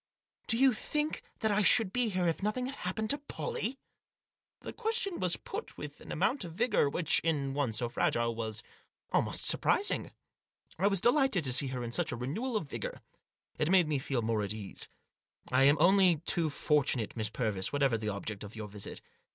Do you think that I should be here if nothing had happened to Pollie?" The question was put with an amount of vigour which, in one so fragile, was almost surprising. I was delighted to see in her such a renewal of vigour. It made me feel more at my ease. " I am only too fortunate, Miss Purvis, whatever the object of your visit.